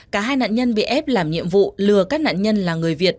cả hai nạn nhân bị ép làm nhiệm vụ lừa các nạn nhân là người việt